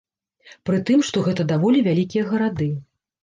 Пры тым, што гэта даволі вялікія гарады.